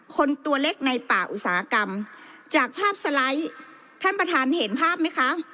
คนตัวเล็กในป่าอุตสาหกรรมจากภาพสไลด์ท่านประธานเห็นภาพไหมคะ